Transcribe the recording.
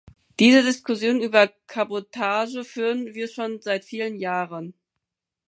Diese Diskussion über Kabotage führen wir schon seit vielen Jahren.